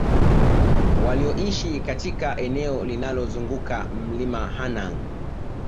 walioishi katika eneo linalozunguka Mlima Hanang